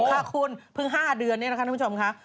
ค่าคุณพึ่ง๕เดือนนี้นะครับทุกผู้ชมคะ